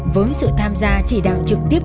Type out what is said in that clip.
với sự tham gia chỉ đạo trực tiếp